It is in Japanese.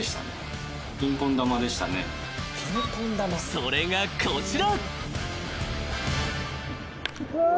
［それがこちら］